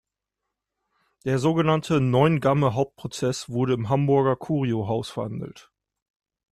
Der sogenannte Neuengamme-Hauptprozess wurde im Hamburger Curiohaus verhandelt.